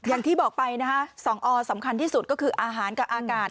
อย่างที่บอกไปนะคะ๒อสำคัญที่สุดก็คืออาหารกับอากาศ